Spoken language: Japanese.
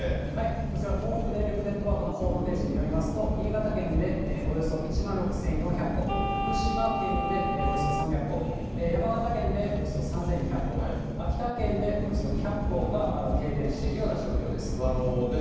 こちら、東北電力ネットワークのホームページによりますと、新潟県でおよそ１万６４００戸、福島県でおよそ３００戸、山形県でおよそ３２００戸、秋田県でおよそ２００戸がまだ停電しているような状況です。